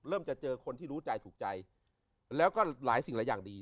จะเจอคนที่รู้ใจถูกใจแล้วก็หลายสิ่งหลายอย่างดี